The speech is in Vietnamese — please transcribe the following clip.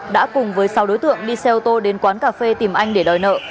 đã cùng với sáu đối tượng đi xe ô tô đến quán cà phê tìm anh để đòi nợ